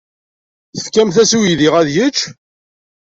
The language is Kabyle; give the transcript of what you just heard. Tefkamt-as i weydi ad yecc.